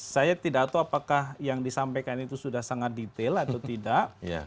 saya tidak tahu apakah yang disampaikan itu sudah sangat detail atau tidak